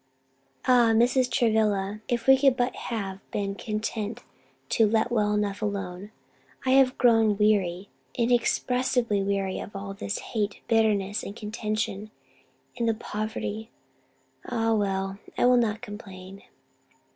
"Ah Mrs. Travilla, if we could but have been content to let well enough alone! I have grown weary, inexpressibly weary of all this hate, bitterness and contention; and the poverty Ah well, I will not complain!"